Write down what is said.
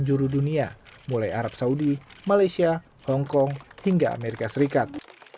penjuru dunia mulai arab saudi malaysia hong kong hingga amerika serikat